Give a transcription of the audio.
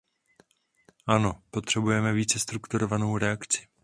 Ano, potřebujeme více strukturovanou reakci.